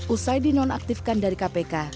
usai dinonaktifkan dari kpk